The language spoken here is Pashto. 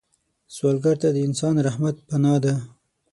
سوالګر ته د انسان رحمت پناه ده